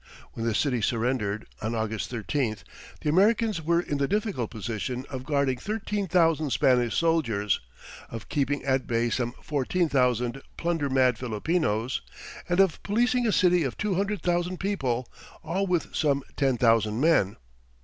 When the city surrendered, on August 13th, the Americans were in the difficult position of guarding thirteen thousand Spanish soldiers, of keeping at bay some fourteen thousand plunder mad Filipinos, and of policing a city of two hundred thousand people all with some ten thousand men!